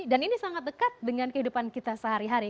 dan ini sangat dekat dengan kehidupan kita sehari hari